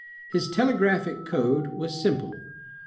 His telegraphic code was simple.